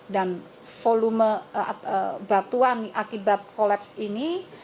dan volume batuan akibat kolaps ini